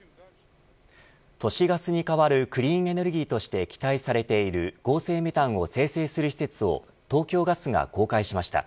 都市ガスに代わるクリーンエネルギーとして期待されている合成メタンを生成する施設を東京ガスが公開しました。